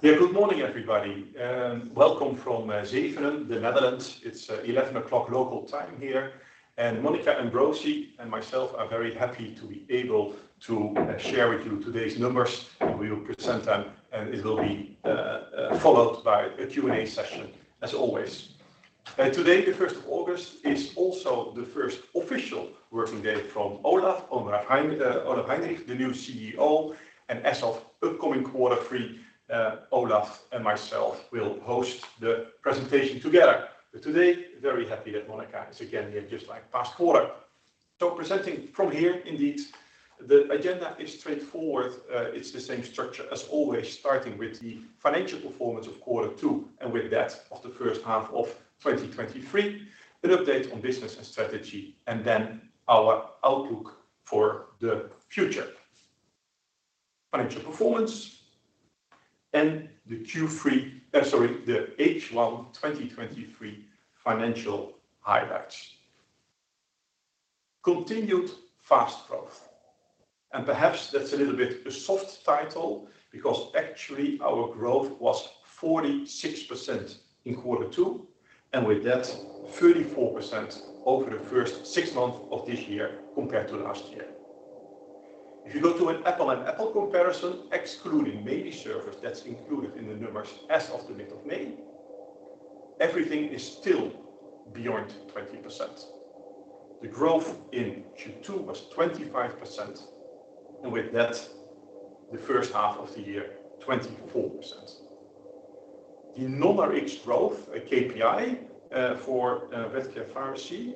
Yeah, good morning, everybody, welcome from Zevenaar, the Netherlands. It's 11:00 local time here, and Monica Ambrosi and myself are very happy to be able to share with you today's numbers. We will present them, and it will be followed by a Q&A session, as always. Today, the first of August, is also the first official working day from Olaf, Olaf Heinrich, the new CEO, and as of upcoming quarter three, Olaf and myself will host the presentation together. Today, very happy that Monica is again here, just like past quarter. Presenting from here, indeed, the agenda is straightforward. It's the same structure as always, starting with the financial performance of quarter two and with that of the first half of 2023, an update on business and strategy, and then our outlook for the future. Financial performance and the H1, 2023 financial highlights. Continued fast growth, perhaps that's a little bit a soft title because actually our growth was 46% in Q2, and with that, 34% over the first six months of this year compared to last year. If you go to an apple-on-apple comparison, excluding Mediservice, that's included in the numbers as of the mid of May, everything is still beyond 20%. The growth in Q2 was 25%, and with that, the first half of the year, 24%. The non-Rx growth, a KPI for vet care pharmacy,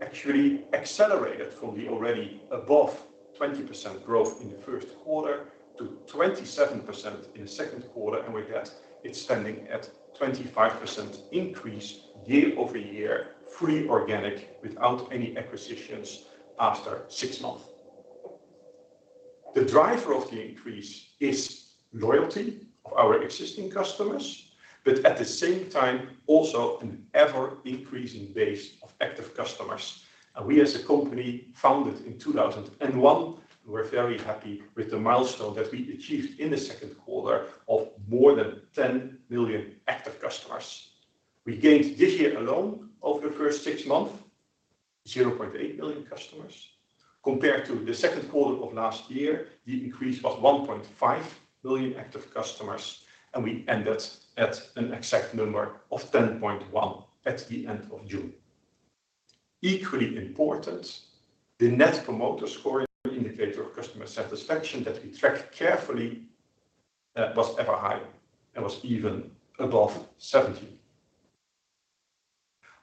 actually accelerated from the already above 20% growth in the first quarter to 27% in the second quarter, and with that, it's standing at 25% increase year-over-year, free organic, without any acquisitions after six months. The driver of the increase is loyalty of our existing customers, at the same time, also an ever-increasing base of active customers. We, as a company, founded in 2001, we're very happy with the milestone that we achieved in the second quarter of more than 10 million active customers. We gained this year alone, over the first six months, 0.8 million customers. Compared to the second quarter of last year, the increase was 1.5 million active customers, and we ended at an exact number of 10.1 at the end of June. Equally important, the Net Promoter Score, indicator of customer satisfaction that we track carefully, was ever higher and was even above 70.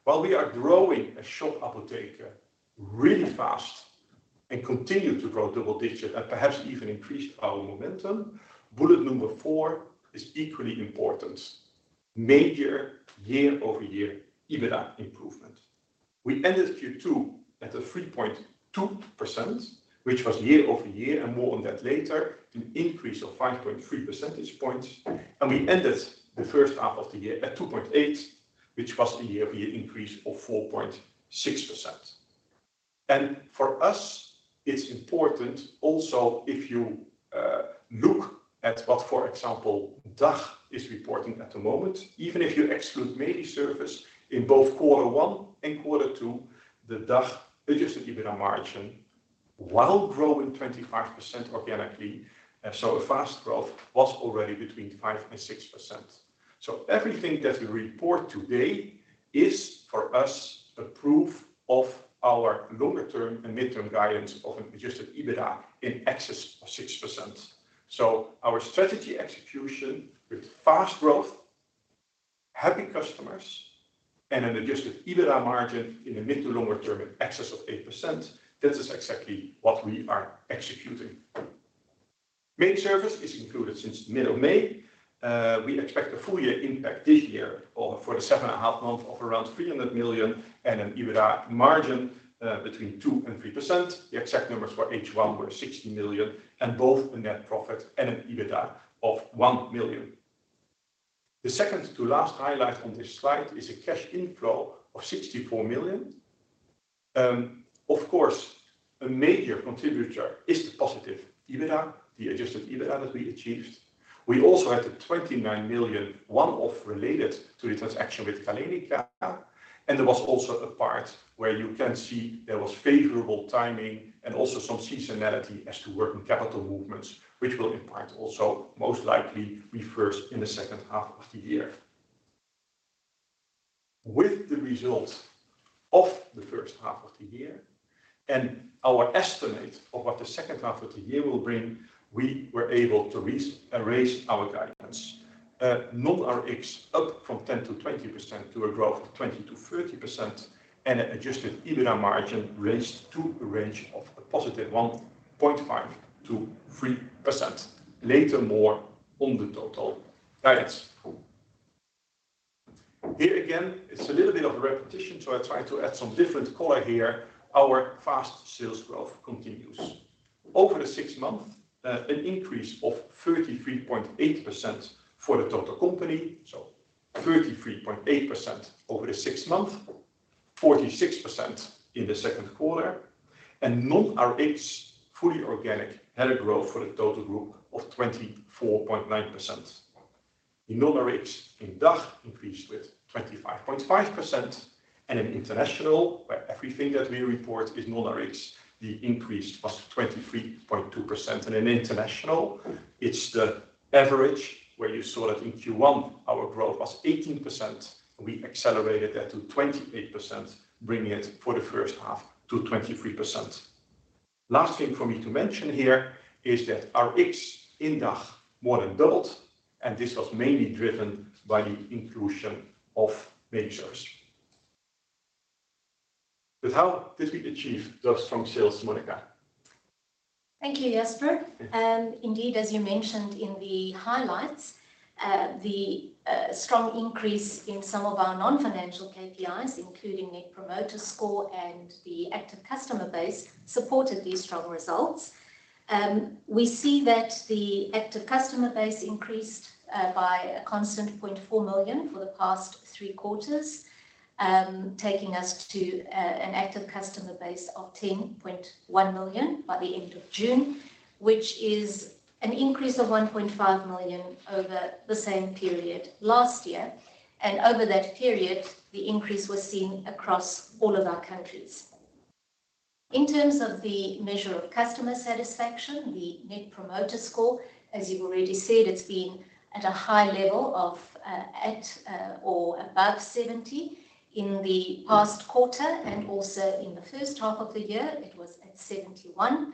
While we are growing as Shop Apotheke really fast and continue to grow double-digit and perhaps even increase our momentum, bullet number four is equally important. Major year-over-year EBITDA improvement. We ended Q2 at a 3.2%, which was year-over-year, and more on that later, an increase of 5.3 percentage points, and we ended the first half of the year at 2.8, which was a year-over-year increase of 4.6%. For us, it's important also, if you look at what, for example, DACH is reporting at the moment, even if you exclude Mediservice in both Q1 and Q2, the DACH adjusted EBITDA margin, while growing 25% organically, so a fast growth, was already between 5%-6%. Everything that we report today is, for us, a proof of our longer-term and midterm guidance of an adjusted EBITDA in excess of 6%. Our strategy execution with fast growth, happy customers, and an adjusted EBITDA margin in the mid to longer term in excess of 8%, this is exactly what we are executing. Mediservice is included since middle of May. We expect a full year impact this year for the 7.5 months of around 300 million and an EBITDA margin between 2%-3%. The exact numbers for H1 were 60 million, and both a net profit and an EBITDA of 1 million. The second to last highlight on this slide is a cash inflow of 64 million. Of course, a major contributor is the positive EBITDA, the adjusted EBITDA that we achieved. We also had a 29 million one-off related to the transaction with Galenica, and there was also a part where you can see there was favorable timing and also some seasonality as to working capital movements, which will impact also, most likely, reverse in the second half of the year. With the results of the first half of the year and our estimate of what the second half of the year will bring, we were able to raise our guidance, non-Rx up from 10%-20% to a growth of 20%-30% and an adjusted EBITDA margin raised to a range of a positive 1.5%-3%. Later, more on the total guidance. Here again, it's a little bit of a repetition, so I try to add some different color here. Our fast sales growth continues. Over the six months, an increase of 33.8% for the total company. 33.8% over the six month, 46% in the second quarter. Non-Rx fully organic had a growth for the total group of 24.9%. The non-Rx in DACH increased with 25.5%, and in international, where everything that we report is non-Rx, the increase was 23.2%. In international, it's the average where you saw that in Q1, our growth was 18%. We accelerated that to 28%, bringing it for the first half to 23%. Lxst thing for me to mention here is that Rx in DACH more than doubled, and this was mainly driven by the inclusion of Mediservice. How did we achieve those strong sales, Monica? Thank you, Jasper. Indeed, as you mentioned in the highlights, the strong increase in some of our non-financial KPIs, including Net Promoter Score and the active customer base, supported these strong results. We see that the active customer base increased by a constant 0.4 million for the past three quarters, taking us to an active customer base of 10.1 million by the end of June, which is an increase of 1.5 million over the same period last year. Over that period, the increase was seen across all of our countries. In terms of the measure of customer satisfaction, the Net Promoter Score, as you've already said, it's been at a high level of at or above 70 in the past quarter, and also in the first half of the year, it was at 71.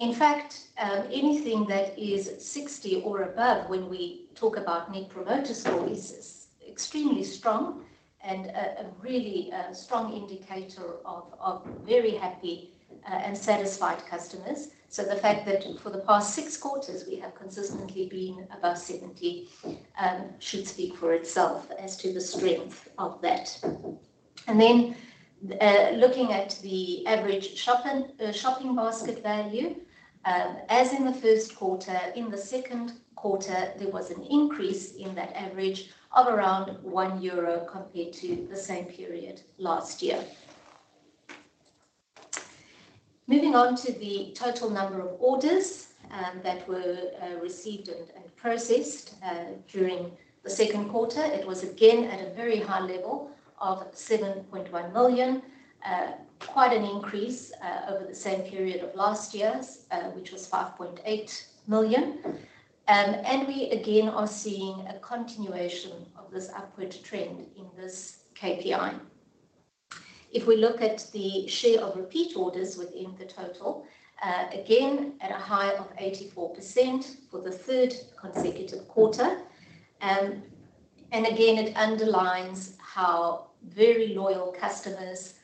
In fact, anything that is 60 or above when we talk about Net Promoter Score is extremely strong and a really strong indicator of very happy and satisfied customers. The fact that for the past six quarters we have consistently been above 70 should speak for itself as to the strength of that. Then, looking at the average shopping basket value, as in the 1st quarter, in the second quarter, there was an increase in that average of around 1 euro compared to the same period last year. Moving on to the total number of orders that were received and processed during the second quarter, it was again at a very high level of 7.1 million. Quite an increase over the same period of last year's, which was 5.8 million. We again are seeing a continuation of this upward trend in this KPI. If we look at the share of repeat orders within the total, again, at a high of 84% for the third consecutive quarter. Again, it underlines how very loyal customers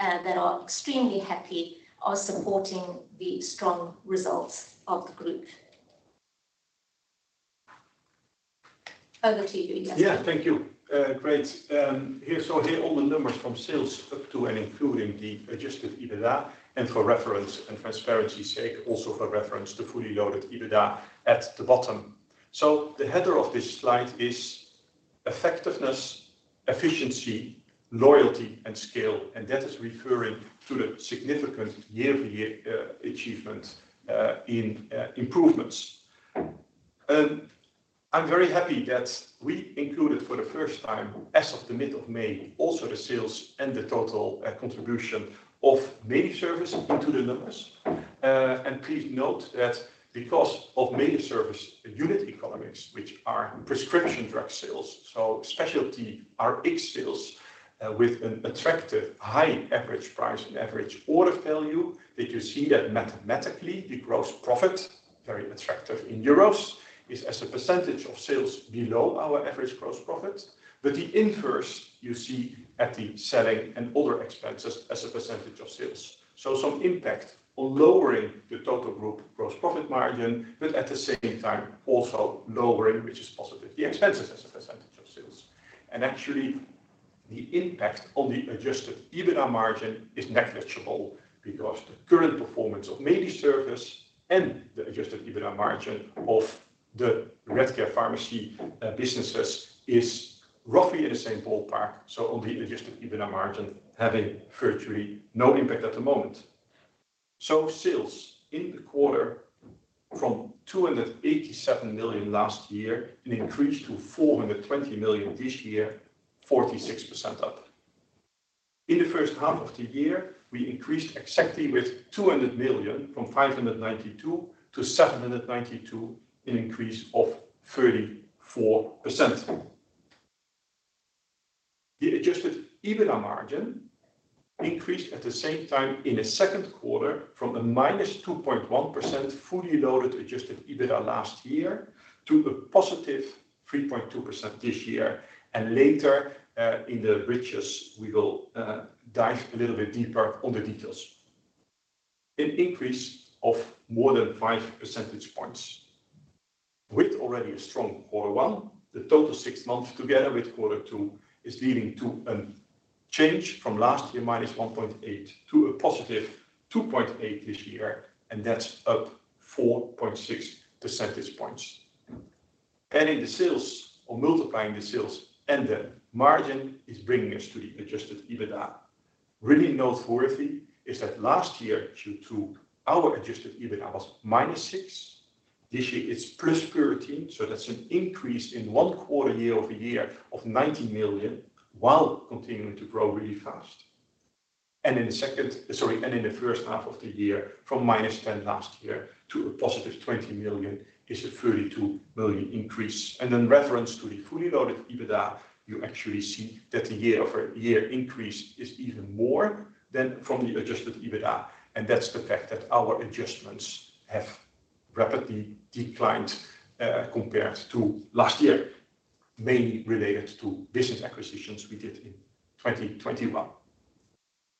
that are extremely happy are supporting the strong results of the group. Over to you, Jasper. Yeah. Thank you. Great. Here, so here all the numbers from sales up to and including the adjusted EBITDA, and for reference and transparency sake, also for reference to fully loaded EBITDA at the bottom. The header of this slide is effectiveness, efficiency, loyalty, and scale, and that is referring to the significant year-over-year achievement in improvements. I'm very happy that we included for the first time, as of the mid of May, also the sales and the total contribution of Mediservice into the numbers. Please note that because of Mediservice unit economics, which are prescription drug sales, so specialty Rx sales, with an attractive high average price and average order value, that you see that mathematically the gross profit, very attractive in EUR, is as a percentage of sales below our average gross profit. The inverse you see at the selling and other expenses as a percentage of sales. Some impact on lowering the total group gross profit margin, but at the same time, also lowering, which is positive, the expenses as a percentage of sales. Actually, the impact on the adjusted EBITDA margin is negligible because the current performance of Mediservice and the adjusted EBITDA margin of the Redcare Pharmacy businesses is roughly in the same ballpark. On the adjusted EBITDA margin, having virtually no impact at the moment. Sales in the quarter from 287 million last year, it increased to 420 million this year, 46% up. In the first half of the year, we increased exactly with 200 million from 592 million to 792 million, an increase of 34%. The adjusted EBITDA margin increased at the same time in the second quarter from a -2.1% fully loaded adjusted EBITDA last year to a positive 3.2% this year. Later, in the bridges, we will dive a little bit deeper on the details. An increase of more than 5 percentage points. With already a strong quarter one, the total six months together with quarter two is leading to an change from last year, -1.8 to a +2.8 this year, and that's up 4.6 percentage points. Adding the sales or multiplying the sales and the margin is bringing us to the adjusted EBITDA. Really noteworthy is that last year, due to our adjusted EBITDA was -6. This year, it's +13, so that's an increase in one quarter, year-over-year of 90 million, while continuing to grow really fast. sorry, in the first half of the year, from -10 last year to a 20 million is a 32 million increase. In reference to the fully loaded EBITDA, you actually see that the year-over-year increase is even more than from the adjusted EBITDA, that's the fact that our adjustments have rapidly declined compared to last year, mainly related to business acquisitions we did in 2021.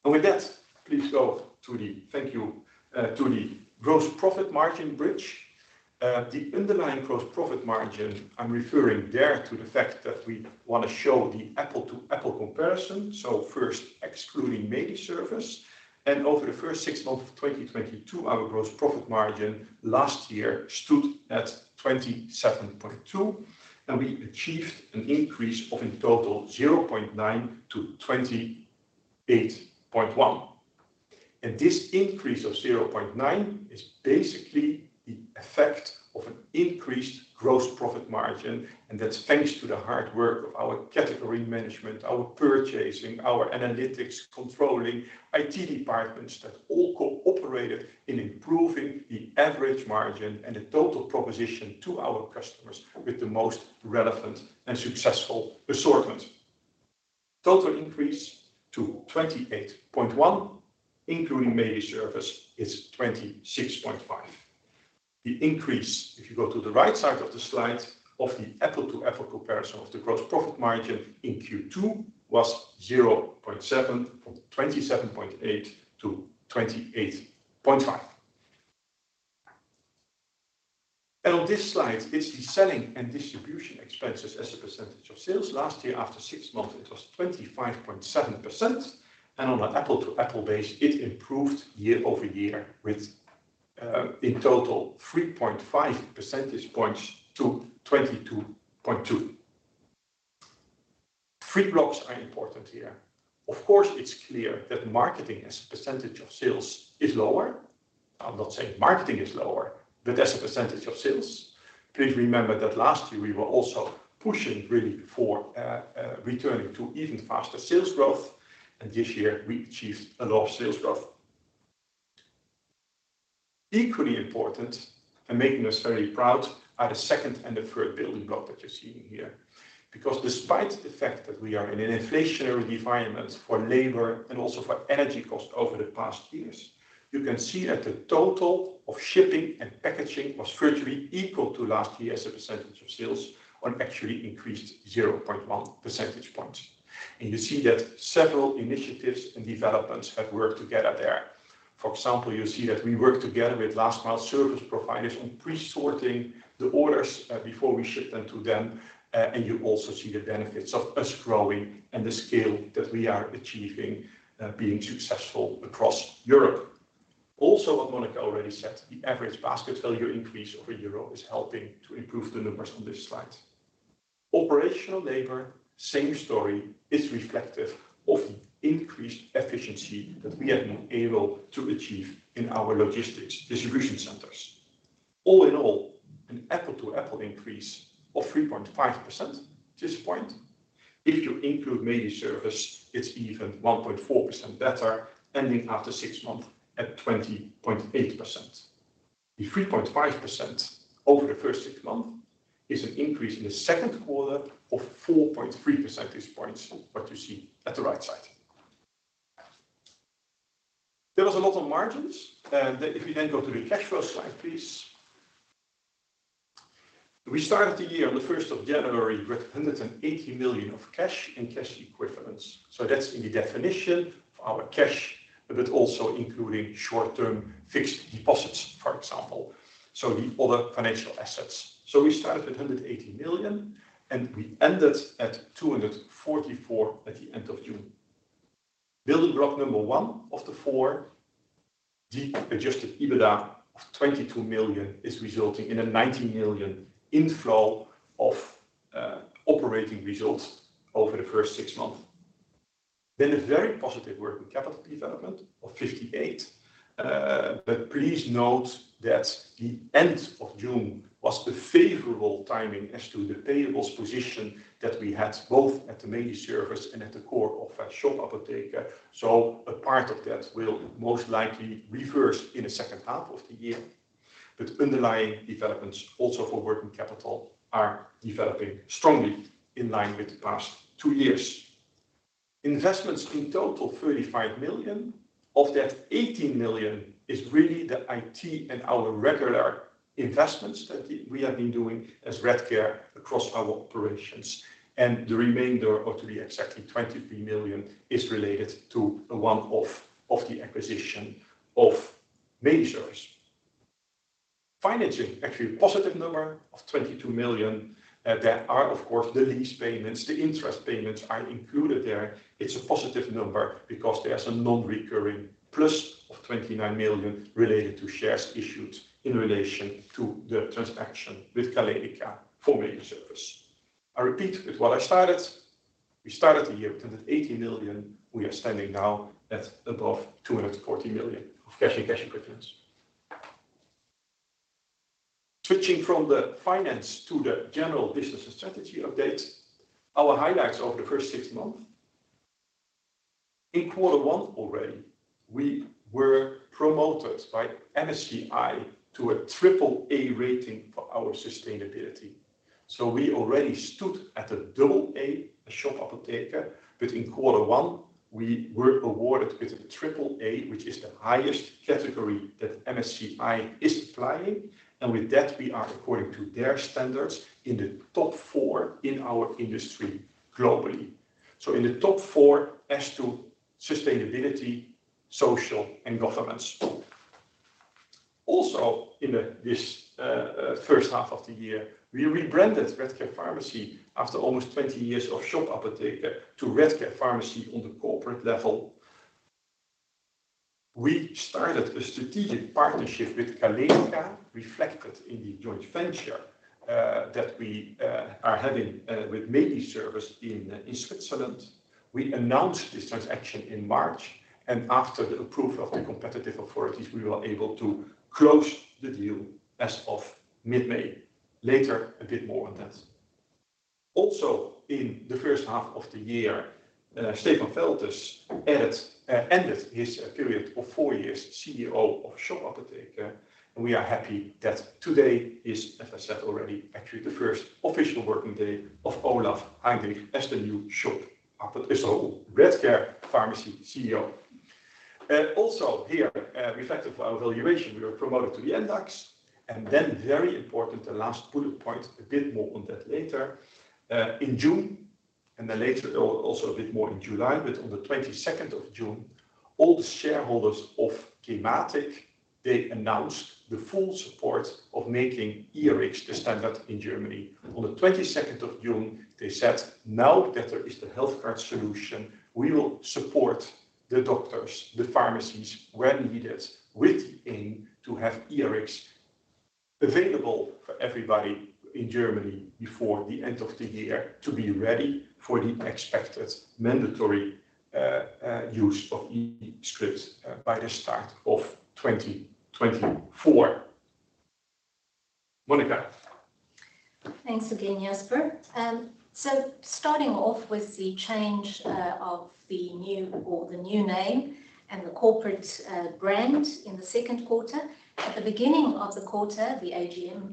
With that, please go to the thank you, to the gross profit margin bridge. The underlying gross profit margin, I'm referring there to the fact that we want to show the apple-to-apple comparison. First, excluding Mediservice, and over the first six months of 2022, our gross profit margin last year stood at 27.2%, and we achieved an increase of in total 0.9% to 28.1%. This increase of 0.9% is basically the effect of an increased gross profit margin, and that's thanks to the hard work of our category management, our purchasing, our analytics, controlling, IT departments that all cooperated in improving the average margin and the total proposition to our customers with the most relevant and successful assortment. Total increase to 28.1%, including Mediservice, is 26.5%. The increase, if you go to the right side of the slide, of the apple-to-apple comparison of the gross profit margin in Q2 was 0.7% from 27.8%-28.5%. On this slide, it's the selling and distribution expenses as a percentage of sales. Last year, after six months, it was 25.7%, and on an apple-to-apple basis, it improved year-over-year with in total 3.5 percentage points to 22.2. Three blocks are important here. Of course, it's clear that marketing as a percentage of sales is lower. I'm not saying marketing is lower, but as a percentage of sales. Please remember that last year we were also pushing really for returning to even faster sales growth, and this year we achieved a lot of sales growth. Equally important, and making us very proud, are the second and the third building block that you're seeing here. Despite the fact that we are in an inflationary environment for labor and also for energy costs over the past years, you can see that the total of shipping and packaging was virtually equal to last year as a percentage of sales on actually increased 0.1 percentage points. You see that several initiatives and developments have worked together there. For example, you see that we work together with last mile service providers on pre-sorting the orders before we ship them to them, and you also see the benefits of us growing and the scale that we are achieving, being successful across Europe. Also, what Monica already said, the average basket value increase over Europe is helping to improve the numbers on this slide. Operational labor, same story, is reflective of increased efficiency that we have been able to achieve in our logistics distribution centers. All in all, an apple-to-apple increase of 3.5% at this point. If you include Mediservice, it's even 1.4% better, ending after six months at 20.8%. The 3.5% over the first six months is an increase in the second quarter of 4.3 percentage points, what you see at the right side. That was a lot on margins. If we then go to the cash flow slide, please. We started the year on 1st of January with 180 million of cash and cash equivalents. That's in the definition of our cash, but also including short-term fixed deposits, for example, the other financial assets. We started with 180 million, and we ended at 244 million at the end of June. Building block number one of the four, the adjusted EBITDA of 22 million, is resulting in a 19 million inflow of operating results over the first six months. A very positive working capital development of 58 million. Please note that the end of June was the favorable timing as to the payables position that we had, both at the Mediservice and at the core of Shop Apotheke. A part of that will most likely reverse in the second half of the year, but underlying developments also for working capital are developing strongly in line with the past two years. Investments in total, 35 million. Of that, 18 million is really the IT and our regular investments that we have been doing as Redcare across our operations. The remainder, or to be exactly 23 million, is related to the one-off of the acquisition of Mediservice. financing, actually a positive number of 22 million. There are, of course, the lease payments, the interest payments are included there. It's a positive number because there's a non-recurring plus of 29 million related to shares issued in relation to the transaction with Galenica for Mediservice. I repeat it, what I started, we started the year with 80 million. We are standing now at above 240 million of cash and cash equivalents. Switching from the finance to the general business strategy update, our highlights over the first six months. In quarter one already, we were promoted by MSCI to a triple A rating for our sustainability. We already stood at a double A, Shop Apotheke, but in quarter one we were awarded with a triple A, which is the highest category that MSCI is applying, and with that we are, according to their standards, in the top four in our industry globally. In the top four as to sustainability, social, and governance. Also, in the, this, first half of the year, we rebranded Redcare Pharmacy after almost 20 years of Shop Apotheke to Redcare Pharmacy on the corporate level. We started a strategic partnership with Galenica, reflected in the joint venture that we are having with Mediservice in Switzerland. We announced this transaction in March, and after the approval of the competitive authorities, we were able to close the deal as of mid-May. Later, a bit more on that. Also, in the first half of the year, uh, Stefan Feltens ended, uh, ended his period of four years CEO of Shop Apotheke, and we are happy that today is, as I said already, actually the first official working day of Olaf Heinrich as the new Shop Apotheke so Redcare Pharmacy CEO. Uh, also here, uh, reflective of our valuation, we were promoted to the MDAX. And then very important, the last bullet point, a bit more on that later, uh, in June, and then later, al- also a bit more in July, but on the twenty-second of June, all the shareholders of Kymatic, they announced the full support of making eRx the standard in Germany. On the 22nd of June, they said, "Now that there is the healthcare solution, we will support the doctors, the pharmacies, where needed, with aim to have eRx available for everybody in Germany before the end of the year, to be ready for the expected mandatory use of e-scripts by the start of 2024." Monica? Thanks again, Jasper. Starting off with the change of the new or the new name and the corporate brand in the second quarter. At the beginning of the quarter, the AGM,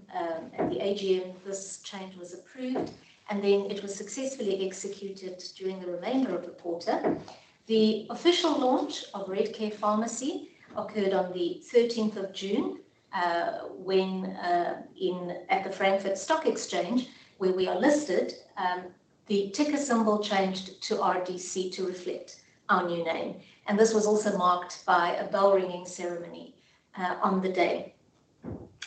at the AGM, this change was approved, and then it was successfully executed during the remainder of the quarter. The official launch of Redcare Pharmacy occurred on the 13th of June, when at the Frankfurt Stock Exchange, where we are listed, the ticker symbol changed to RDC to reflect our new name, and this was also marked by a bell ringing ceremony on the day.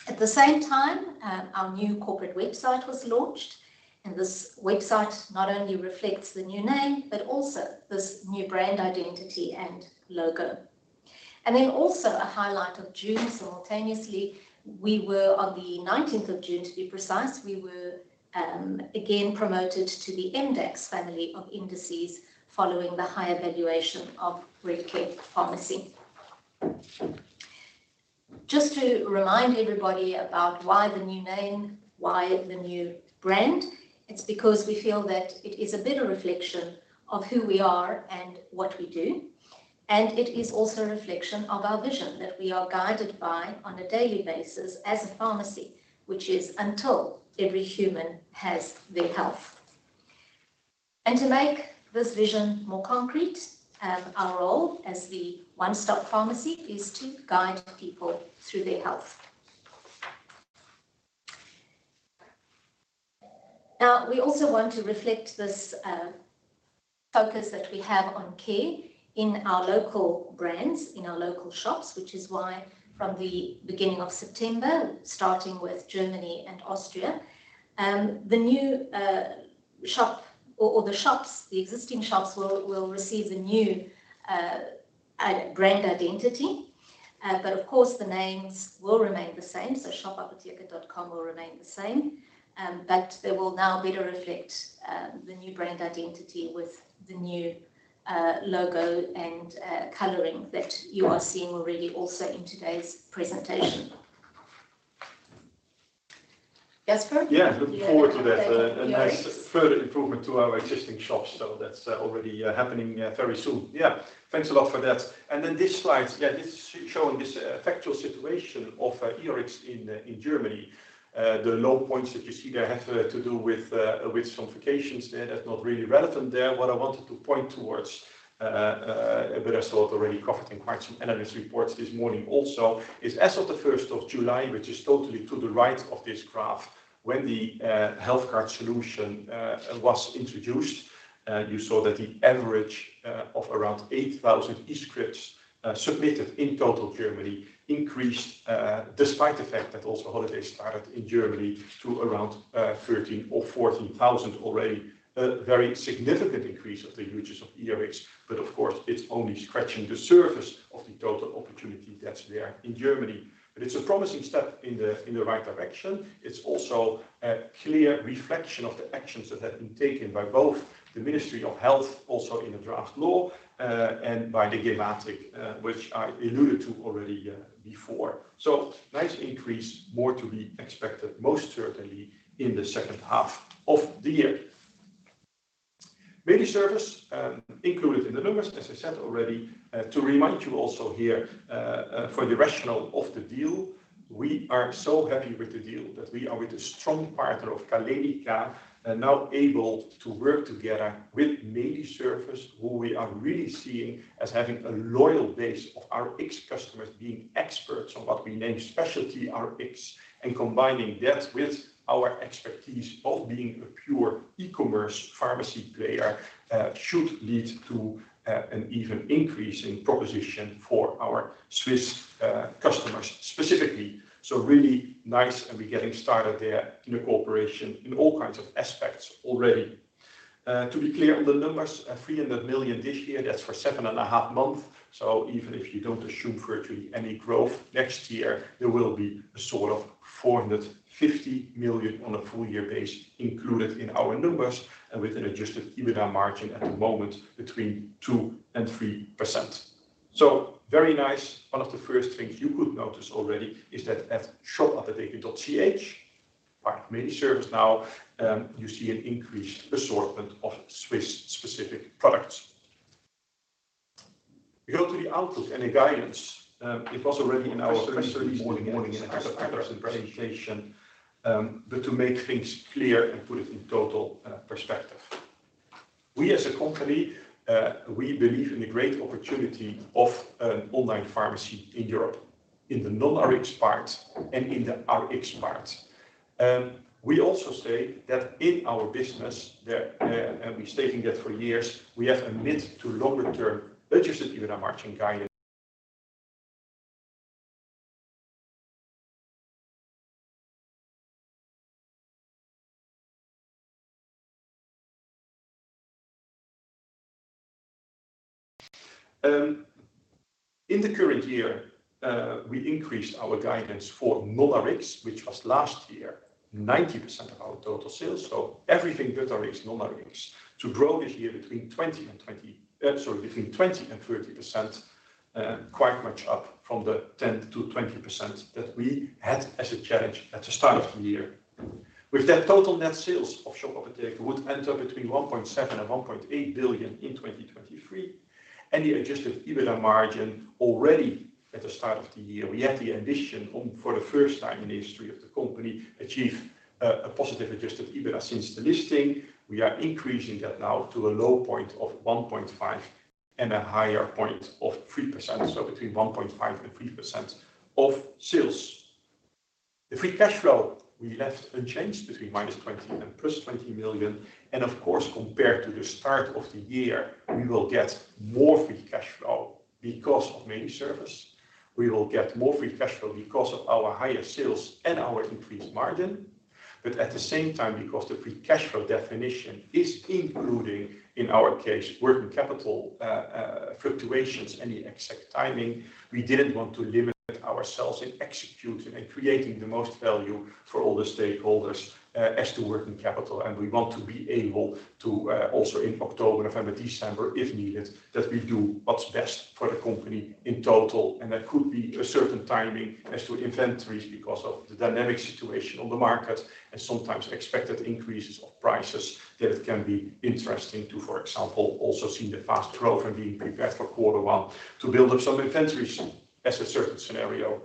At the same time, our new corporate website was launched, and this website not only reflects the new name, but also this new brand identity and logo. Also a highlight of June, simultaneously, we were, on the 19th of June, to be precise, we were again promoted to the MDAX family of indices following the high valuation of Redcare Pharmacy. Just to remind everybody about why the new name, why the new brand, it's because we feel that it is a better reflection of who we are and what we do, and it is also a reflection of our vision that we are guided by on a daily basis as a pharmacy, which is until every human has their health. To make this vision more concrete, our role as the one-stop pharmacy is to guide people through their health. We also want to reflect this focus that we have on care in our local brands, in our local shops, which is why from the beginning of September, starting with Germany and Austria, the new shop or, or the shops, the existing shops will receive a new brand identity. Of course, the names will remain the same, so shop-apotheke.com will remain the same, they will now better reflect the new brand identity with the new logo and coloring that you are seeing already also in today's presentation. Jasper? Yeah. Yeah, looking forward to that. Yeah. A nice further improvement to our existing shops, so that's already happening very soon. Thanks a lot for that. This slide, this is showing this factual situation of eRx in Germany. The low points that you see there have to do with some certifications there. That's not really relevant there. What I wanted to point towards, but I saw it already covered in quite some analyst reports this morning also, is as of the 1st of July, which is totally to the right of this graph, when the healthcare solution was introduced, you saw that the average of around 8,000 e-scripts submitted in total, Germany increased, despite the fact that also holidays started in Germany, to around 13,000 or 14,000 already. A very significant increase of the usage of Rx. But of course, it's only scratching the surface of the total opportunity that's there in Germany. It's a promising step in the right direction. It's also a clear reflection of the actions that have been taken by both the Ministry of Health, also in the draft law, and by the gematik, which I alluded to already before. Nice increase, more to be expected, most certainly in the second half of the year. Mediservice, included in the numbers, as I said already, to remind you also here, for the rationale of the deal, we are so happy with the deal that we are with a strong partner of Galenica. Now able to work together with Mediservice, who we are really seeing as having a loyal base of our ex-customers, being experts on what we name specialty Rx. Combining that with our expertise of being a pure e-commerce pharmacy player, should lead to an even increase in proposition for our Swiss customers specifically. Really nice, and we're getting started there in the cooperation in all kinds of aspects already. To be clear on the numbers, 300 million this year, that's for 7.5 months. Even if you don't assume virtually any growth next year, there will be a sort of 450 million on a full year base included in our numbers and with an adjusted EBITDA margin at the moment between 2%-3%. Very nice. One of the first things you could notice already is that at shop-apotheke.ch, part of Mediservice now, you see an increased assortment of Swiss-specific products. We go to the outlook and the guidance. It was already in our presentation this morning in Jasper's presentation, but to make things clear and put it in total perspective. We as a company, we believe in the great opportunity of an online pharmacy in Europe, in the non-Rx part and in the Rx part. We also say that in our business that, and we've stating that for years, we have a mid to longer term adjusted EBITDA margin guidance. In the current year, we increased our guidance for non-Rx, which was last year, 90% of our total sales. Everything but Rx, non-Rx, to grow this year between 20% and 30%, quite much up from the 10%-20% that we had as a challenge at the start of the year. With that total net sales of Redcare Pharmacy would end up between 1.7 billion and 1.8 billion in 2023, the adjusted EBITDA margin already at the start of the year, we had the ambition on, for the first time in the history of the company, achieve a positive adjusted EBITDA since the listing. We are increasing that now to a low point of 1.5% and a higher point of 3%, so between 1.5% and 3% of sales. The free cash flow we left unchanged between -20 million and EUR +20 million. Of course, compared to the start of the year, we will get more free cash flow because of Mediservice. We will get more free cash flow because of our higher sales and our increased margin. At the same time, because the free cash flow definition is including, in our case, working capital fluctuations and the exact timing, we didn't want to limit ourselves in executing and creating the most value for all the stakeholders as to working capital. We want to be able to also in October, November, December, if needed, that we do what's best for the company in total, and that could be a certain timing as to inventories because of the dynamic situation on the market and sometimes expected increases of prices that it can be interesting to, for example, also see the fast growth in the quarter one to build up some inventories as a certain scenario.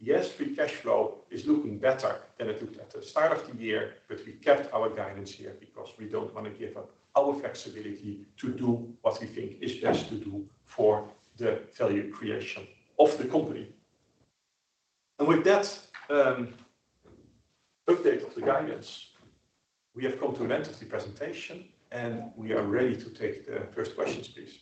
Yes, free cash flow is looking better than it looked at the start of the year, but we kept our guidance here because we don't want to give up our flexibility to do what we think is best to do for the value creation of the company. With that, update of the guidance, we have come to an end of the presentation, and we are ready to take the first questions, please.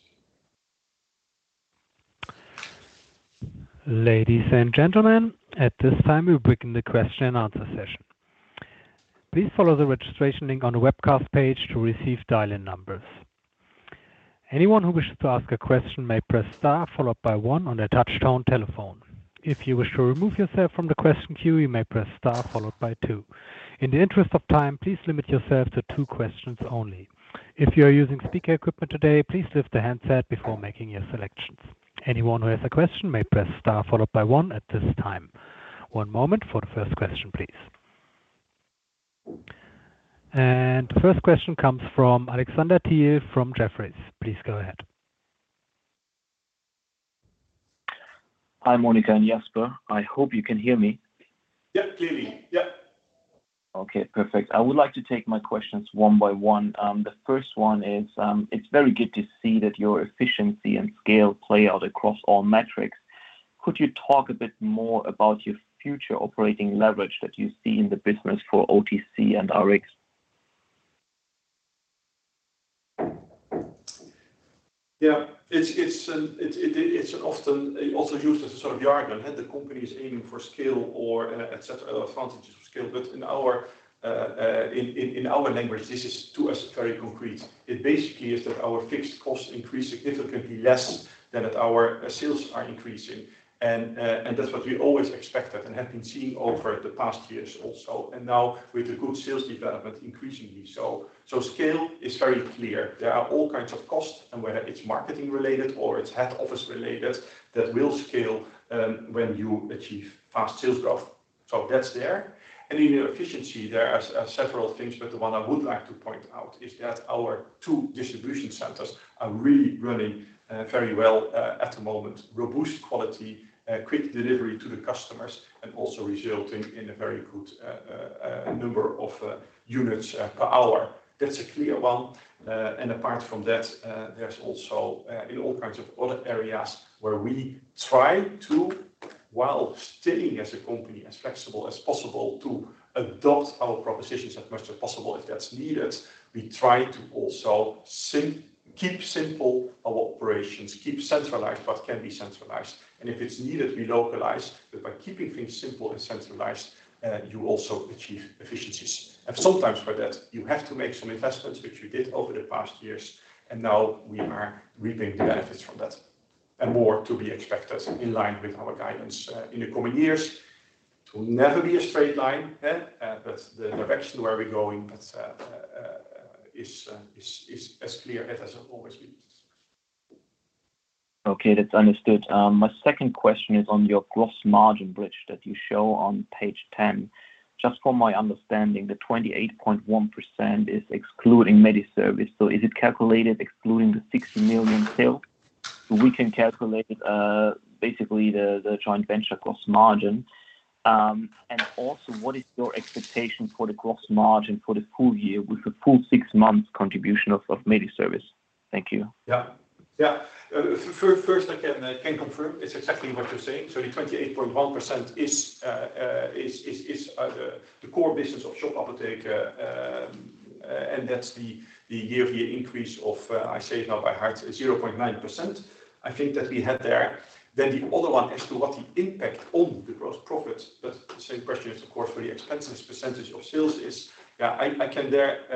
Ladies and gentlemen, at this time, we begin the question and answer session. Please follow the registration link on the webcast page to receive dial-in numbers. Anyone who wishes to ask a question may press star followed by one on their touchtone telephone. If you wish to remove yourself from the question queue, you may press star followed by two. In the interest of time, please limit yourselves to two questions only. If you are using speaker equipment today, please lift the handset before making your selections. Anyone who has a question may press star followed by one at this time. One moment for the first question, please. The first question comes from Alexander Thiel from Jefferies. Please go ahead. Hi, Monica and Jasper. I hope you can hear me. Yep, clearly. Yep. Okay, perfect. I would like to take my questions one by one. The first one is, it's very good to see that your efficiency and scale play out across all metrics. Could you talk a bit more about your future operating leverage that you see in the business for OTC and Rx? Yeah, it's, it's, it's often also used as a sort of yardstick, the company is aiming for scale or, et cetera, advantages of scale. In our language, this is to us very concrete. It basically is that our fixed costs increase significantly less than at our sales are increasing. That's what we always expected and have been seeing over the past years also, now with the good sales development increasingly so. Scale is very clear. There are all kinds of costs, whether it's marketing related or it's head office related, that will scale when you achieve fast sales growth. That's there. In efficiency, there are several things, but the one I would like to point out is that our two distribution centers are really running very well at the moment. Robust quality, quick delivery to the customers and also resulting in a very good number of units per hour. That's a clear one. Apart from that, there's also in all kinds of other areas where we try to, while staying as a company, as flexible as possible, to adapt our propositions as much as possible if that's needed. We try to also keep simple our operations, keep centralized what can be centralized, and if it's needed, we localize. By keeping things simple and centralized, you also achieve efficiencies. Sometimes for that, you have to make some investments, which we did over the past years, and now we are reaping the benefits from that. More to be expected in line with our guidance, in the coming years. It will never be a straight line, eh? The direction where we're going, that's, is, is as clear as has always been. Okay, that's understood. My second question is on your gross margin bridge that you show on page 10. Just for my understanding, the 28.1% is excluding Mediservice. Is it calculated excluding the 60 million sales? We can calculate, basically the, the joint venture gross margin. Also, what is your expectation for the gross margin for the full year with the full six months contribution of Mediservice? Thank you. Yeah. Yeah. First, I can confirm it's exactly what you're saying. The 28.1% is the core business of Shop Apotheke. And that's the year-over-year increase of, I say it now by heart, 0.9%. I think that we had there. The other one as to what the impact on the gross profit, but the same question is, of course, for the expenses, percentage of sales is. Yeah, I can there,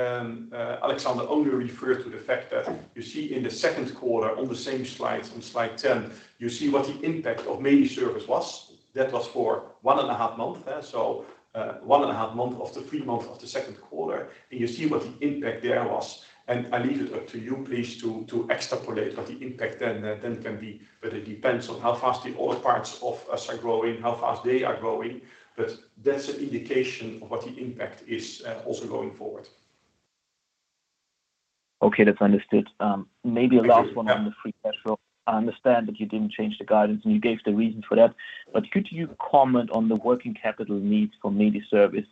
Alexander only refer to the fact that you see in the second quarter on the same slides, on slide 10, you see what the impact of Mediservice was. That was for 1.5 months there. 1.5 month of the three months of the second quarter, and you see what the impact there was. I leave it up to you, please, to, to extrapolate what the impact then, then can be, but it depends on how fast the other parts of us are growing, how fast they are growing. That's an indication of what the impact is, also going forward. Okay, that's understood. Maybe a last one- Yeah. -on the free cash flow. I understand that you didn't change the guidance, and you gave the reason for that, but could you comment on the working capital needs for Mediservice?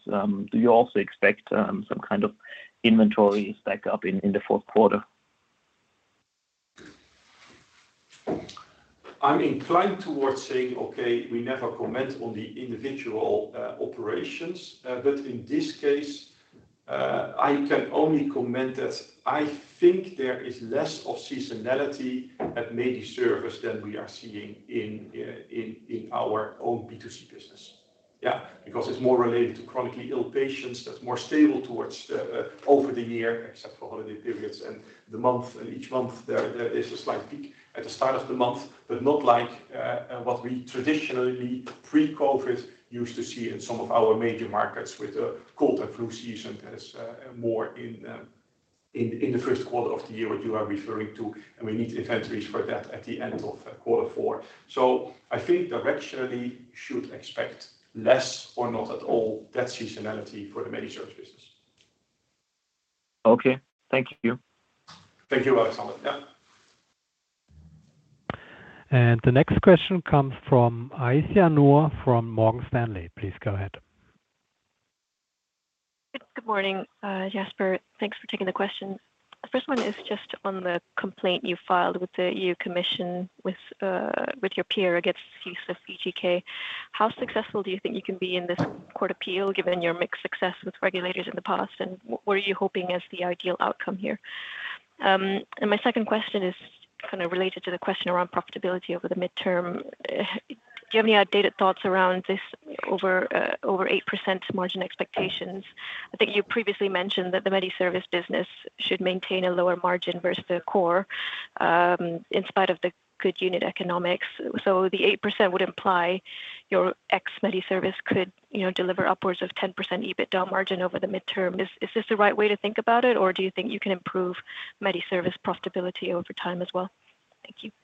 Do you also expect some kind of inventory stack up in the fourth quarter? I'm inclined towards saying, okay, we never comment on the individual operations, but in this case, I can only comment that I think there is less of seasonality at Mediservice than we are seeing in our own B2C business. Yeah, because it's more related to chronically ill patients, that's more stable towards the over the year, except for holiday periods and the month. Each month, there, there is a slight peak at the start of the month, but not like what we traditionally, pre-COVID, used to see in some of our major markets with the cold and flu season that is more in the first quarter of the year, what you are referring to, and we need to inventories for that at the end of quarter four. I think directionally, you should expect less or not at all, that seasonality for the Mediservice business. Okay. Thank you. Thank you, Alexander. Yeah. The next question comes from Aisyah Noor from Morgan Stanley. Please go ahead. Good morning, Jasper. Thanks for taking the question. The first one is just on the complaint you filed with the European Commission, with your peer against the use of eGK. How successful do you think you can be in this court appeal, given your mixed success with regulators in the past, and what are you hoping is the ideal outcome here? My second question is kind of related to the question around profitability over the midterm. Do you have any updated thoughts around this over 8% margin expectations? I think you previously mentioned that the Mediservice business should maintain a lower margin versus the core, in spite of the good unit economics. The 8% would imply your ex Mediservice could, you know, deliver upwards of 10% EBITDA margin over the midterm. Is this the right way to think about it, or do you think you can improve Mediservice profitability over time as well? Thank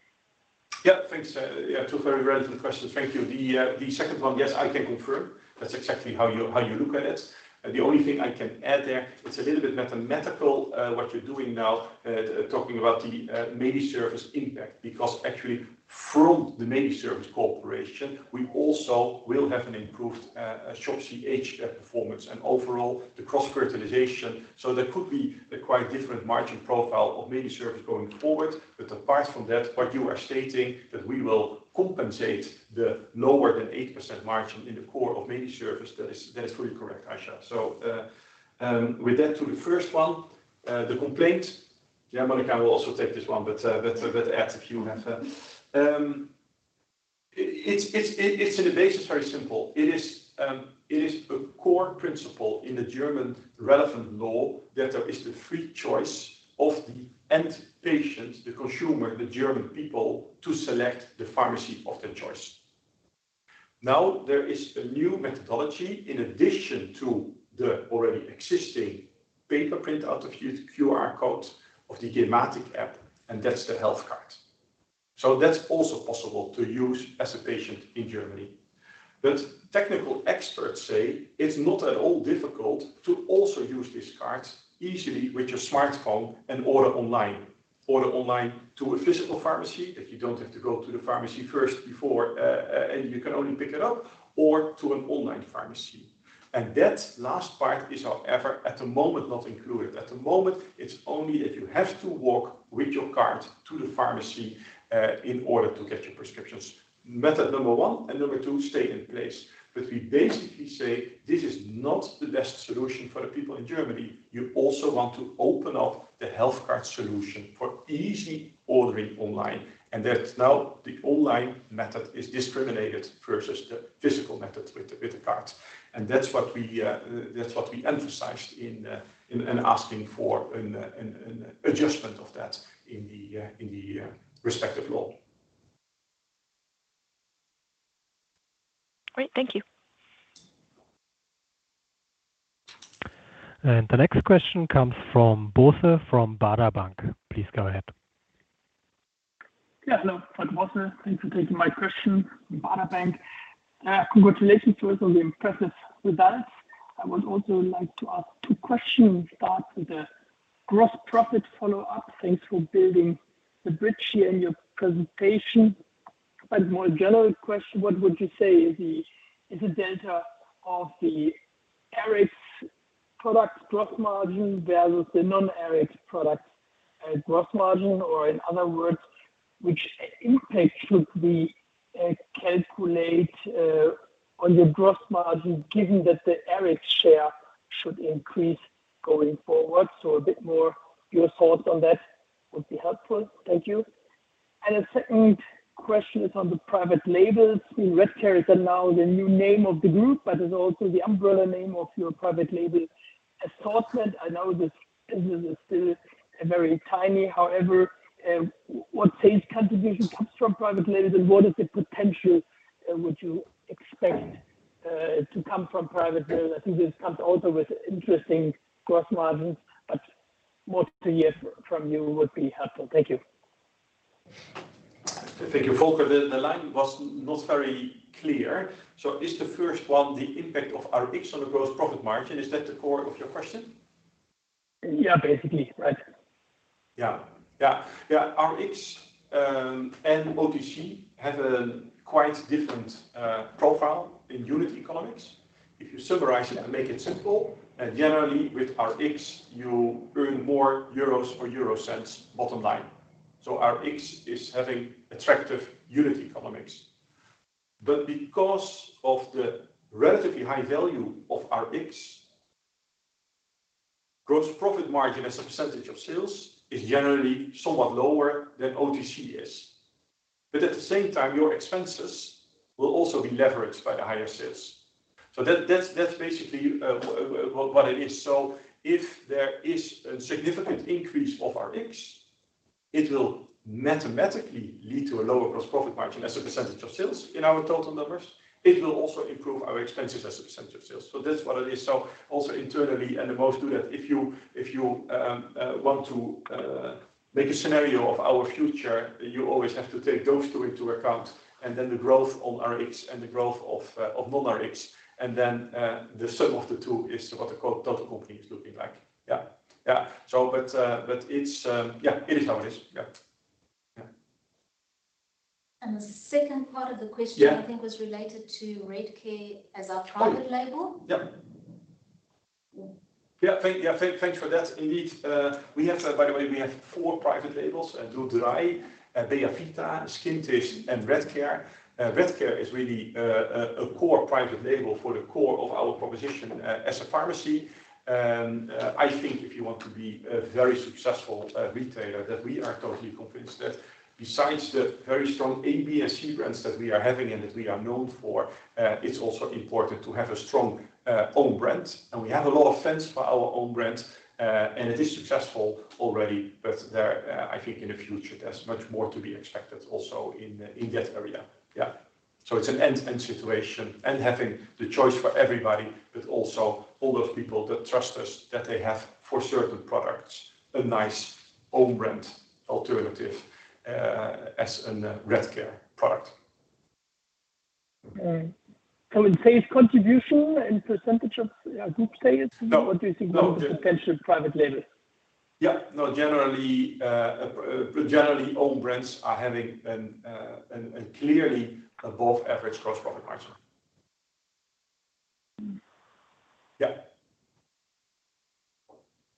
you. Yeah, thanks. Yeah, two very relevant questions. Thank you. The second one, yes, I can confirm that's exactly how you, how you look at it. The only thing I can add there, it's a little bit mathematical, what you're doing now, talking about the Mediservice impact, because actually from the Mediservice corporation, we also will have an improved ShopCH performance and overall the cross-fertilization. There could be a quite different margin profile of Mediservice going forward. Apart from that, what you are stating that we will compensate the lower than 8% margin in the core of Mediservice, that is, that is fully correct, Ayesha. With that to the first one, Yeah, Monica, I will also take this one, but, but, but add if you have. It, it's, it, it's in the base, it's very simple. It is, it is a core principle in the German relevant law that there is the free choice of the end patient, the consumer, the German people, to select the pharmacy of their choice. Now, there is a new methodology in addition to the already existing paper print out of QR codes of the gematik app, and that's the health card. That's also possible to use as a patient in Germany. Technical experts say it's not at all difficult to also use this card easily with your smartphone and order online. Order online to a physical pharmacy, that you don't have to go to the pharmacy first before, and you can only pick it up or to an online pharmacy. That last part is however, at the moment, not included. At the moment, it's only that you have to walk with your card to the pharmacy, in order to get your prescriptions. Method number one and number two stay in place. We basically say this is not the best solution for the people in Germany. You also want to open up the health card solution for easy ordering online. That now the online method is discriminated versus the physical method with the, with the card. That's what we, that's what we emphasized in, in, in asking for an, an, an adjustment of that in the, in the, respective law. Great, thank you. The next question comes from Bosse, from Baader Bank. Please go ahead. Yeah, hello, Volker Bosse. Thanks for taking my question. Baader Bank. Congratulations first on the impressive results. I would also like to ask two questions. Start with the gross profit follow-up. Thanks for building the bridge here in your presentation. More general question, what would you say is the delta of the Rx product gross margin versus the non-Rx product gross margin? In other words, which impact should we calculate on the gross margin, given that the Rx share should increase going forward? A bit more your thoughts on that would be helpful. Thank you. The second question is on the private labels. Redcare is now the new name of the group, but it's also the umbrella name of your private label assortment. I know this business is still very tiny, however, what sales contribution comes from private labels, and what is the potential would you expect to come from private label? I think this comes also with interesting gross margins, but more to hear from you would be helpful. Thank you. Thank you, Volker. The line was not very clear. Is the first one the impact of Rx on the gross profit margin? Is that the core of your question? Yeah, basically, right. Yeah, yeah, yeah. Rx, OTC have a quite different profile in unit economics. If you summarize it and make it simple, generally with Rx, you earn more euros for euro cents, bottom line. Rx is having attractive unit economics, but because of the relatively high value of Rx, gross profit margin as a % of sales is generally somewhat lower than OTC is. At the same time, your expenses will also be leveraged by the higher sales. That, that's, that's basically what it is. If there is a significant increase of Rx, it will mathematically lead to a lower gross profit margin as a % of sales in our total numbers. It will also improve our expenses as a percentage of sales. That's what it is. Also internally and we mostly do that, if you, if you want to make a scenario of our future, you always have to take those two into account, and then the growth on Rx and the growth of non-Rx, and then the sum of the two is what the total company is looking like. Yeah. Yeah. But it's, yeah, it is how it is. Yeah. Yeah. The second part of the question. Yeah. I think was related to Redcare as our private label. Oh, yeah. Yeah, thank, yeah, thank, thanks for that. Indeed, we have, by the way, we have four private labels, Duodray, Beavita, Skintist, and Redcare. Redcare is really a core private label for the core of our proposition as a pharmacy. I think if you want to be a very successful retailer, that we are totally convinced that besides the very strong A, B, and C brands that we are having and that we are known for, it's also important to have a strong own brand. We have a lot of sense for our own brand, and it is successful already, but there, I think in the future, there's much more to be expected also in, in that area. Yeah. It's an end-to-end situation and having the choice for everybody, but also all those people that trust us, that they have, for certain products, a nice own brand alternative, as an, Redcare product. Can we say its contribution and percentage of group sales? No. What do you think of the potential private label? Yeah, no, generally, generally, own brands are having a clearly above average gross profit margin. Yeah.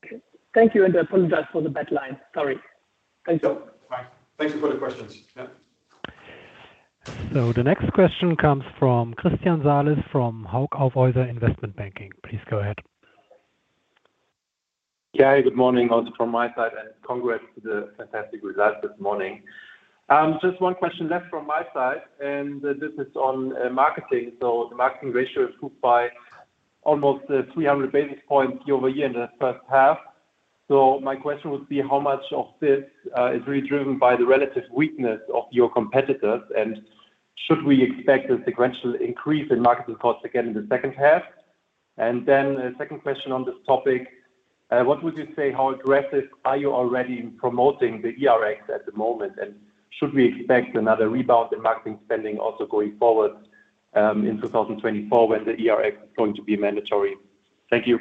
Okay. Thank you, and I apologize for the bad line. Sorry. Thank you. No, bye. Thank you for the questions. Yeah. The next question comes from Christian Salis, from Hauck Aufhäuser Investment Banking. Please go ahead. Yeah, good morning also from my side, congrats to the fantastic results this morning. Just one question left from my side, and this is on marketing. The marketing ratio is grouped by almost 300 basis points year-over-year in the first half. My question would be: how much of this is really driven by the relative weakness of your competitors? Should we expect a sequential increase in marketing costs again in the second half? Then the second question on this topic, what would you say, how aggressive are you already in promoting the eRx at the moment? Should we expect another rebound in marketing spending also going forward in 2024 when the eRx is going to be mandatory? Thank you.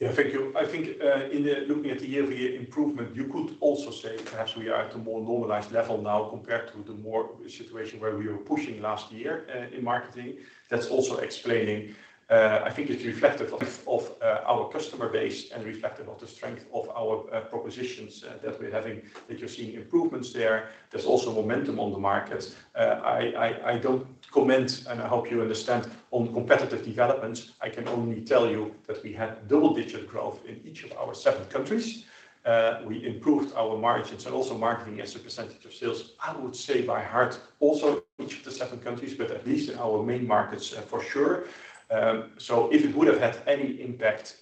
Yeah, thank you. I think in the looking at the year-over-year improvement, you could also say perhaps we are at a more normalized level now compared to the more situation where we were pushing last year, in marketing. That's also explaining, I think it's reflective of our customer base and reflective of the strength of our propositions, that we're having, that you're seeing improvements there. There's also momentum on the market. I, I, I don't comment, and I hope you understand, on competitive developments. I can only tell you that we had double-digit growth in each of our seven countries. We improved our margins and also marketing as a percentage of sales, I would say by heart, also each of the seven countries, but at least in our main markets for sure. If it would have had any impact,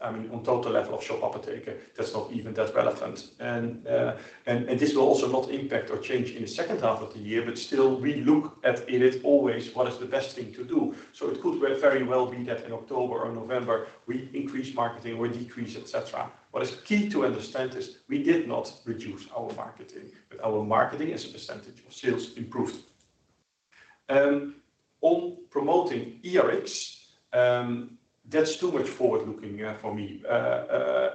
on total level of Shop Apotheke, that's not even that relevant. This will also not impact or change in the second half of the year, still, we look at it as always, what is the best thing to do? It could very well be that in October or November, we increase marketing or decrease, et cetera. What is key to understand is we did not reduce our marketing. Our marketing as a percentage of sales improved. On promoting eRx, that's too much forward-looking for me.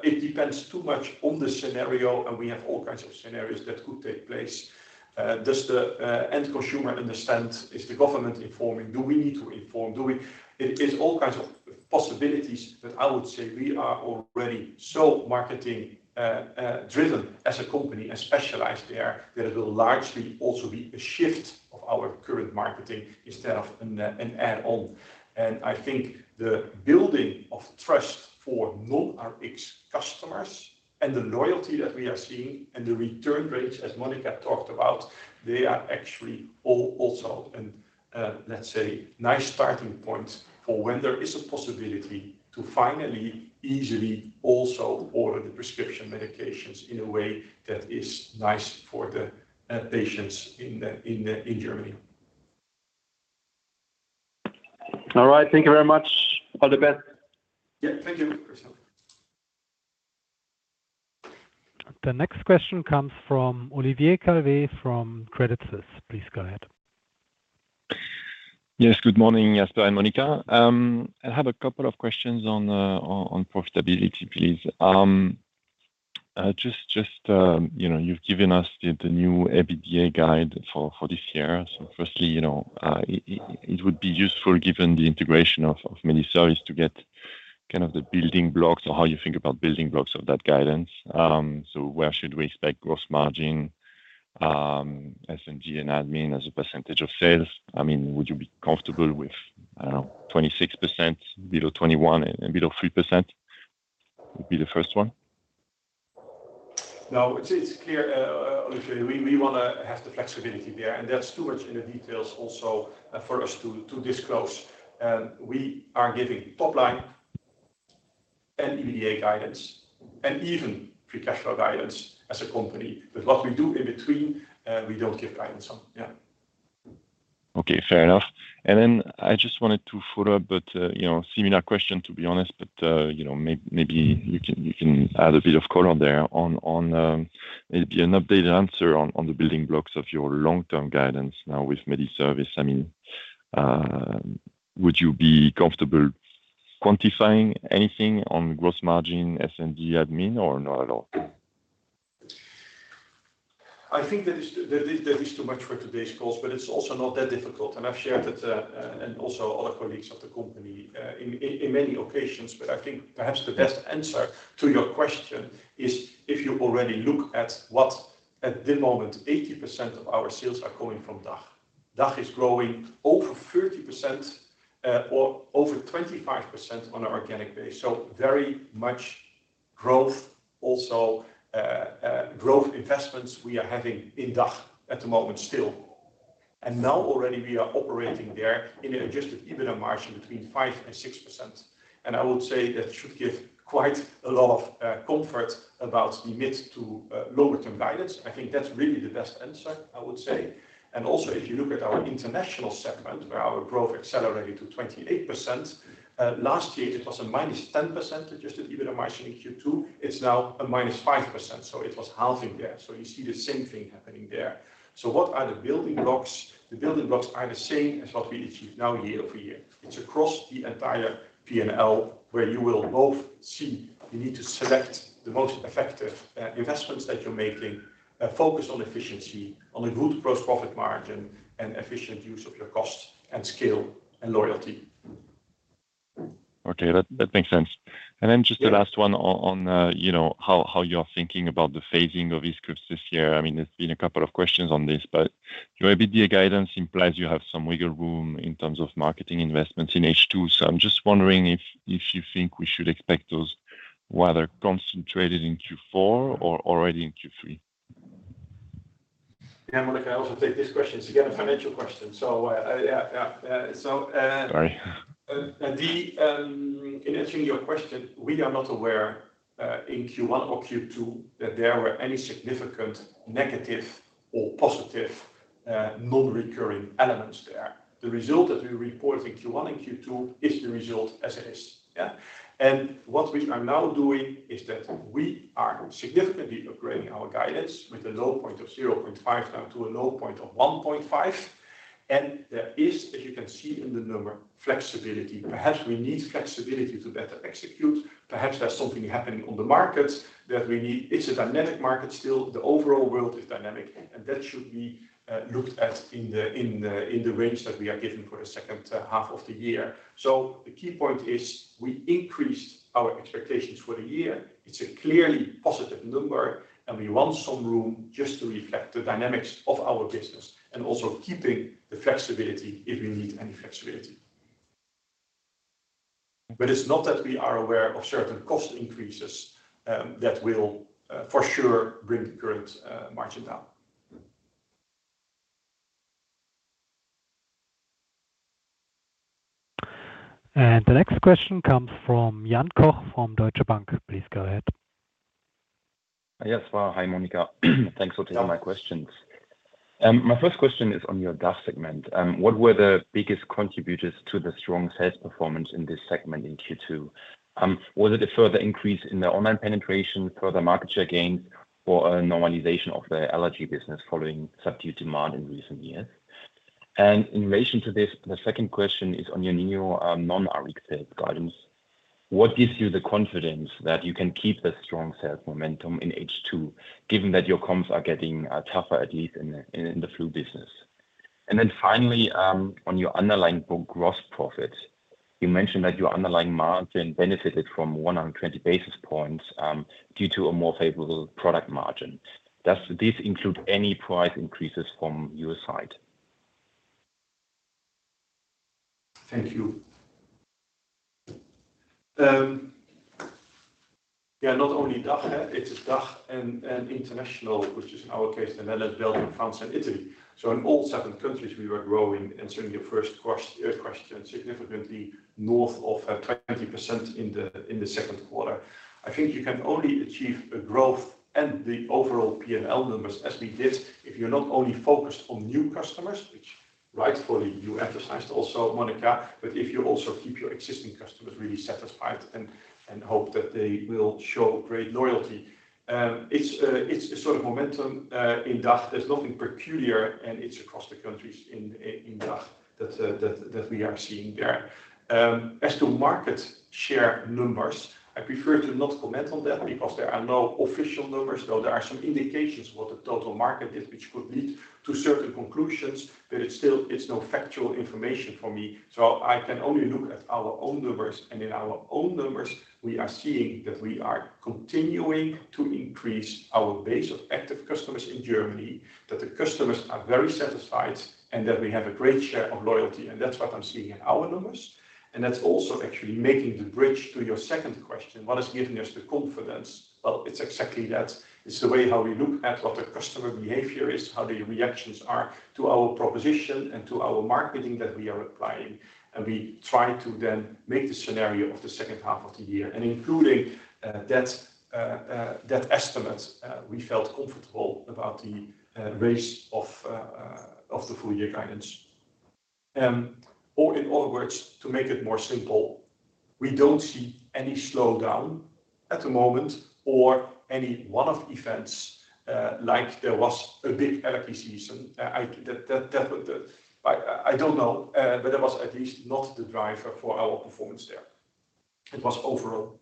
It depends too much on the scenario, and we have all kinds of scenarios that could take place. Does the end consumer understand? Is the government informing? Do we need to inform? It is all kinds of possibilities, but I would say we are already so marketing driven as a company and specialized there, that it will largely also be a shift of our current marketing instead of an add-on. I think the building of trust for non-Rx customers and the loyalty that we are seeing and the return rates, as Monica talked about, they are actually all also let's say, nice starting point for when there is a possibility to finally, easily, also order the prescription medications in a way that is nice for the patients in Germany. All right. Thank you very much. All the best. Yeah, thank you, Christian. The next question comes from Olivier Calvet from Credit Suisse. Please go ahead. Yes, good morning, Jasper and Monica. I have a couple of questions on profitability, please. Just, you know, you've given us the new EBITDA guide for this year. Firstly, you know, it would be useful, given the integration of Mediservice, to get kind of the building blocks or how you think about building blocks of that guidance. Where should we expect gross margin, SG&A and admin as a percentage of sales? I mean, would you be comfortable with, I don't know, 26%, below 21 and below 3% would be the first one? No, it's, it's clear, Olivier, we, we wanna have the flexibility there, and there's too much in the details also for us to, to disclose. We are giving top line and EBITDA guidance and even free cash flow guidance as a company. What we do in between, we don't give guidance on. Yeah. Okay, fair enough. Then I just wanted to follow up, but, you know, similar question, to be honest, but, you know, maybe you can, you can add a bit of color there on, on, maybe an updated answer on, on the building blocks of your long-term guidance now with Mediservice. I mean, would you be comfortable quantifying anything on gross margin, SG&A, admin, or not at all? I think that is, that is, that is too much for today's calls, but it's also not that difficult, and I've shared it, and also other colleagues of the company, in, in, in many occasions. I think perhaps the best answer to your question is if you already look at what at the moment, 80% of our sales are coming from DACH. DACH is growing over 30% or over 25% on an organic basis. Very much growth also, growth investments we are having in DACH at the moment still. Now already we are operating there in an adjusted EBITDA margin between 5% and 6%, and I would say that should give quite a lot of comfort about the mid to lower term guidance. I think that's really the best answer, I would say. If you look at our international segment, where our growth accelerated to 28% last year, it was a -10% adjusted EBITDA margin in Q2. It's now a -5%, so it was halving there. You see the same thing happening there. What are the building blocks? The building blocks are the same as what we achieve now year-over-year. It's across the entire P&L, where you will both see you need to select the most effective investments that you're making, focus on efficiency, on a good gross profit margin, and efficient use of your cost and scale and loyalty. ... Okay, that, that makes sense. Then just the last one on, on, you know, how, how you're thinking about the phasing of e-scripts this year. I mean, there's been a couple of questions on this, but your EBITDA guidance implies you have some wiggle room in terms of marketing investments in H2. I'm just wondering if, if you think we should expect those, whether concentrated in Q4 or already in Q3? Yeah, Monica, I also take this question. It's again, a financial question, so, yeah, yeah. Sorry. In answering your question, we are not aware in Q1 or Q2 that there were any significant negative or positive non-recurring elements there. The result that we report in Q1 and Q2 is the result as it is. Yeah? What we are now doing is that we are significantly upgrading our guidance with a low point of 0.5 down to a low point of 1.5, there is, as you can see in the number, flexibility. Perhaps we need flexibility to better execute. Perhaps there's something happening on the markets that we need... It's a dynamic market still. The overall world is dynamic, that should be looked at in the range that we are giving for the second half of the year. The key point is we increased our expectations for the year. It's a clearly positive number, and we want some room just to reflect the dynamics of our business and also keeping the flexibility if we need any flexibility. It's not that we are aware of certain cost increases, that will for sure bring the current margin down. The next question comes from Jan Koch from Deutsche Bank. Please go ahead. Yes. Hi, Monica. Thanks for taking my questions. My first question is on your DACH segment. What were the biggest contributors to the strong sales performance in this segment in Q2? Was it a further increase in the online penetration, further market share gains, or a normalization of the allergy business following subdued demand in recent years? In relation to this, the second question is on your new non-GAAP guidance. What gives you the confidence that you can keep the strong sales momentum in H2, given that your comps are getting tougher, at least in the flu business? Finally, on your underlying book gross profit, you mentioned that your underlying margin benefited from 120 basis points due to a more favorable product margin. Does this include any price increases from your side? Thank you. Yeah, not only DACH, it's DACH and, and international, which is in our case, the Netherlands, Belgium, France, and Italy. In all seven countries, we were growing, answering your first quest- question, significantly north of 20% in the, in the second quarter. I think you can only achieve a growth and the overall P&L numbers as we did, if you're not only focused on new customers, which rightfully you emphasized also, Monica, but if you also keep your existing customers really satisfied and, and hope that they will show great loyalty. It's, it's a sort of momentum in DACH. There's nothing peculiar, and it's across the countries in, in DACH that, that, that we are seeing there. As to market share numbers, I prefer to not comment on that because there are no official numbers, though there are some indications what the total market is, which could lead to certain conclusions, but it's still, it's no factual information for me. I can only look at our own numbers, and in our own numbers, we are seeing that we are continuing to increase our base of active customers in Germany, that the customers are very satisfied, and that we have a great share of loyalty, and that's what I'm seeing in our numbers. That's also actually making the bridge to your second question, what is giving us the confidence? Well, it's exactly that. It's the way how we look at what the customer behavior is, how the reactions are to our proposition and to our marketing that we are applying. We try to then make the scenario of the second half of the year, and including that estimate, we felt comfortable about the raise of the full year guidance. In other words, to make it more simple, we don't see any slowdown at the moment or any one-off events, like there was a big allergy season. That, that, that was the... I, I don't know, but that was at least not the driver for our performance there. It was overall.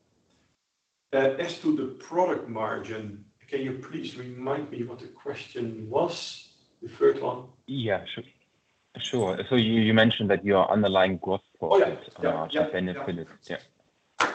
As to the product margin, can you please remind me what the question was? The third one. Yeah, sure. Sure. You, you mentioned that your underlying gross profit- Oh, yeah. benefited. Yeah. Yeah. Yeah.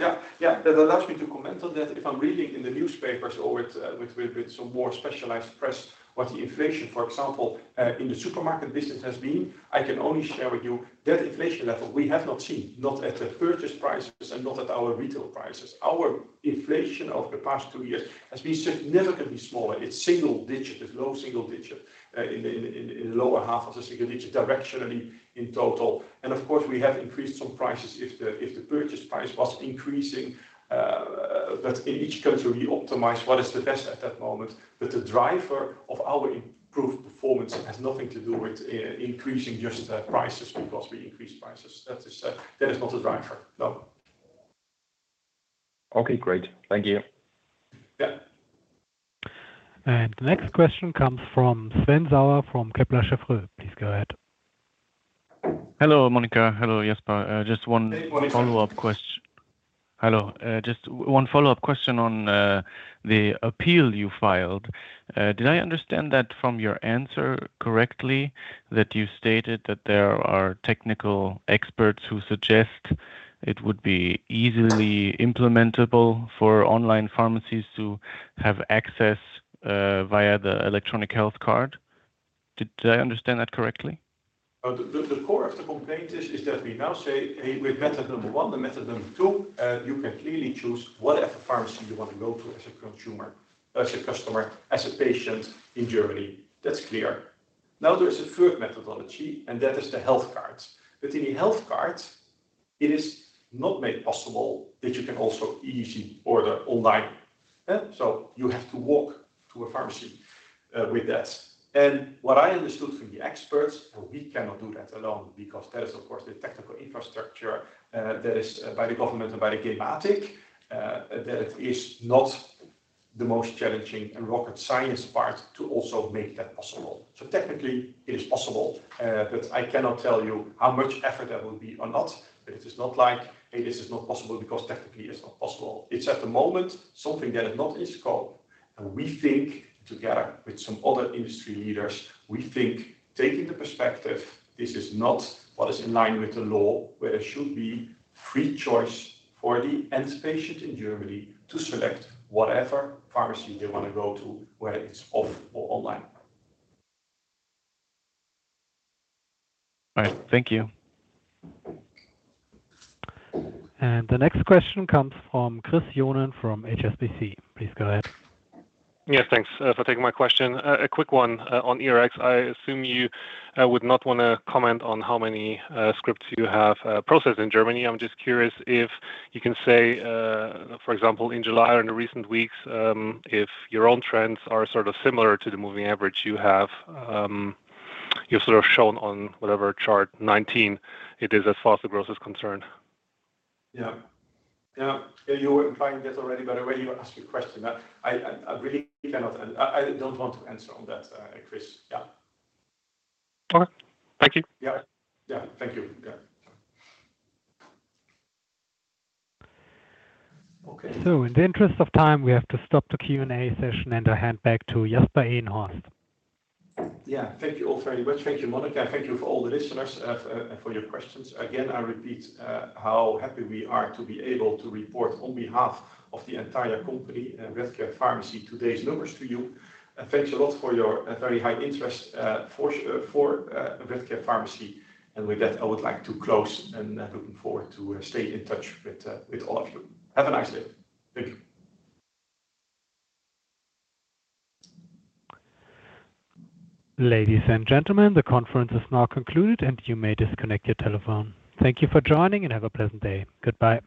Yeah. That allows me to comment on that. If I'm reading in the newspapers or with, with, some more specialized press, what the inflation, for example, in the supermarket business has been, I can only share with you that inflation level we have not seen, not at the purchase prices and not at our retail prices. Our inflation over the past two years has been significantly smaller. It's single digit, it's low single digit, in the, in, in, in the lower half of the single digit, directionally in total. Of course, we have increased some prices if the, if the purchase price was increasing, but in each country, we optimize what is the best at that moment. The driver of our improved performance has nothing to do with, increasing just prices because we increased prices. That is, that is not a driver, no. Okay, great. Thank you. Yeah. The next question comes from Sven Sauer from Kepler Cheuvreux. Please go ahead. Hello, Monica. Hello, Jasper. Just one follow-up. Hello, just one follow-up question on the appeal you filed. Did I understand that from your answer correctly, that you stated that there are technical experts who suggest it would be easily implementable for online pharmacies to have access via the electronic health card? Did I understand that correctly? Oh, the, the, the core of the complaint is, is that we now say, "Hey, with method number one and method number two, you can clearly choose whatever pharmacy you want to go to as a consumer, as a customer, as a patient in Germany." That's clear. Now, there is a third methodology, and that is the health cards. In the health cards, it is not made possible that you can also easily order online, eh? You have to walk to a pharmacy with that. What I understood from the experts, and we cannot do that alone, because that is, of course, the technical infrastructure, that is, by the government and by the gematik, that it is not the most challenging and rocket science part to also make that possible. Technically, it is possible, but I cannot tell you how much effort that will be or not. It is not like, "Hey, this is not possible because technically it's not possible." It's at the moment, something that is not in scope, and we think together with some other industry leaders, we think taking the perspective, this is not what is in line with the law, where it should be free choice for the end patient in Germany to select whatever pharmacy they want to go to, whether it's off or online. All right. Thank you. The next question comes from Christopher Cyran, from HSBC. Please go ahead. Yes, thanks for taking my question. A quick one on eRx. I assume you would not want to comment on how many scripts you have processed in Germany. I'm just curious if you can say, for example, in July or in the recent weeks, if your own trends are sort of similar to the moving average you have, you've sort of shown on whatever chart 19 it is, as far as the growth is concerned. Yeah. Yeah. You were implying this already by the way you asked your question. I, I, I really cannot, and I, I don't want to answer on that, Chris. Yeah. All right. Thank you. Yeah. Yeah. Thank you. Yeah. Okay. In the interest of time, we have to stop the Q&A session and hand back to Jasper Einhaus. Yeah. Thank you all very much. Thank you, Monica, and thank you for all the listeners, for your questions. Again, I repeat how happy we are to be able to report on behalf of the entire company, Redcare Pharmacy, today's numbers to you. Thanks a lot for your very high interest for Redcare Pharmacy. With that, I would like to close and looking forward to stay in touch with all of you. Have a nice day. Thank you. Ladies and gentlemen, the conference is now concluded. You may disconnect your telephone. Thank you for joining. Have a pleasant day. Goodbye.